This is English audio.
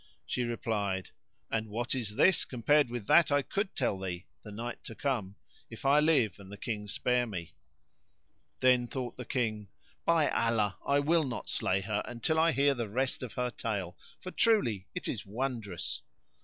She replied, "And what is this compared with that I could tell thee, the night to come, if I live and the King spare me?"[FN#59] Then thought the King, "By Allah, I will not slay her until I hear the rest of her tale, for truly it is wondrous."